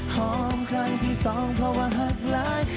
หอมครั้งที่สองเพราะว่าหักลาย